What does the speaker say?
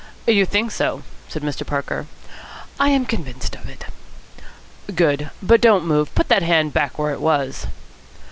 "You think so?" said Mr. Parker. "I am convinced of it." "Good. But don't move. Put that hand back where it was."